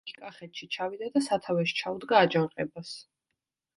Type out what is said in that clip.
იგი კახეთში ჩავიდა და სათავეში ჩაუდგა აჯანყებას.